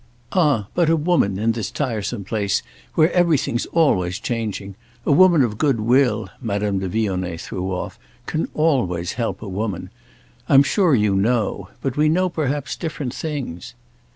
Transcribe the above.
"Ah but a woman, in this tiresome place where everything's always changing, a woman of good will," Madame de Vionnet threw off, "can always help a woman. I'm sure you 'know'—but we know perhaps different things."